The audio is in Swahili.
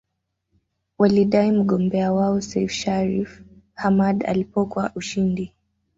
Walidai mgombea wao Seif Shariff Hamad alipokwa ushindi